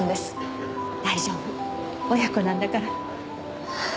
大丈夫親子なんだから。